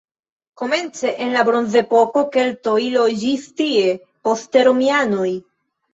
Komence en la bronzepoko keltoj loĝis tie, poste romianoj.